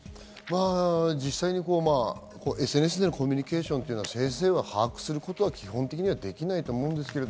実際にＳＮＳでのコミュニケーションというのは先生が把握することは基本的にはできないと思うんですけど。